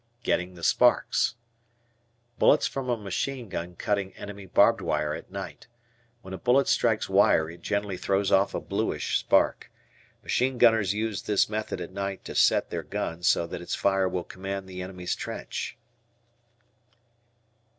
"Getting the sparks." Bullets from a machine gun cutting enemy barbed wire at night; when a bullet strikes wire it generally throws off a bluish spark. Machine gunners use this method at night to "set" their gun so that its fire will command the enemy's trench.